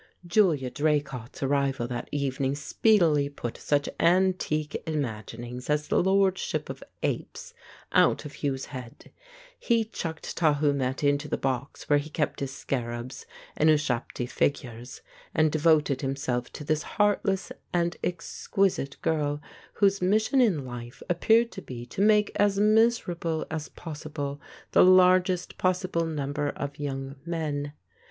Julia Draycott's arrival that evening speedily put such antique imaginings as the lordship of apes out of Hugh's head. He chucked Tahu met into the box where he kept his scarabs and ushapti figures, and devoted himself to this heartless and exquisite girl, whose mission in life appeared to be to make as miser able as possible the largest possible number of young 196 The Ape men.